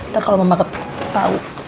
nanti kalau mama tau